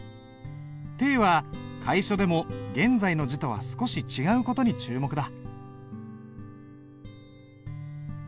「定」は楷書でも現在の字とは少し違う事に注目だ。